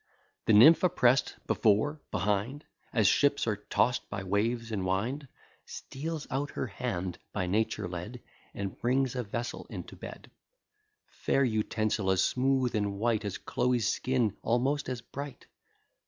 The nymph oppress'd before, behind, As ships are toss'd by waves and wind, Steals out her hand, by nature led, And brings a vessel into bed; Fair utensil, as smooth and white As Chloe's skin, almost as bright.